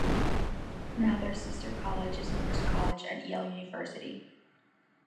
Mather's sister College is Morse College at Yale University.